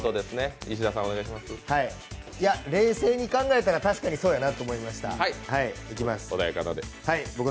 冷静に考えたら確かにそやなと思いました。